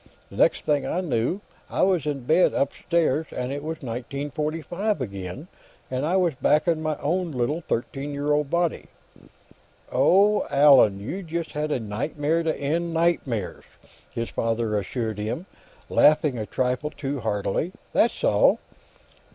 The next thing I knew, I was in bed, upstairs, and it was 1945 again, and I was back in my own little thirteen year old body." "Oh, Allan, you just had a nightmare to end nightmares!" his father assured him, laughing a trifle too heartily. "That's all!"